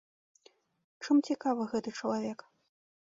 Чым цікавы гэты чалавек?